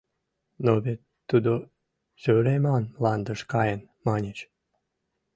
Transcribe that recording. — Но вет тудо сӧреман мландыш каен, маньыч?